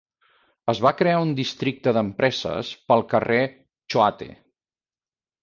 Es va crear un districte d'empreses pel carrer Choate.